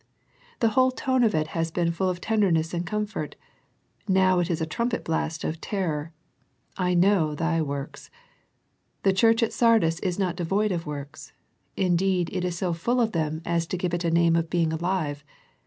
The whole tone of it has been full of tenderness and comfort. Now it is a trumpet blast of terror. " I know thy works." The church at Sardis is not devoid of works. In deed it is so full of them as to give it a name of being alive.